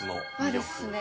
はですね